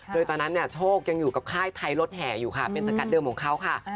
โดยตอนนั้นเนี่ยโชคยังอยู่กับค่ายไทยรถแห่อยู่ค่ะเป็นสกัดเดิมของเขาค่ะ